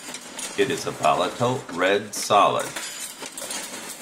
It is a volatile red solid.